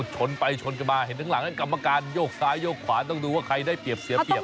ชนไปชนกันมาเห็นข้างหลังนั้นกรรมการโยกซ้ายโยกขวาต้องดูว่าใครได้เปรียบเสียเปรียบ